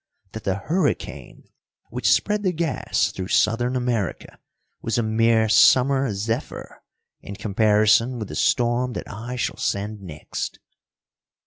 That the hurricane which spread the gas through southern America was a mere summer zephyr in comparison with the storm that I shall send next.